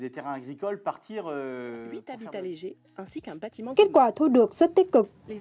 kết quả thu được rất tích cực